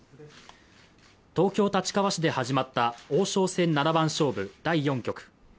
東京・立川市で始まった王将戦七番勝負第４局。